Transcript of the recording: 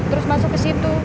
terus masuk ke situ